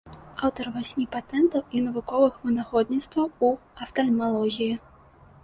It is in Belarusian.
Аўтар васьмі патэнтаў і навуковых вынаходніцтваў у афтальмалогіі.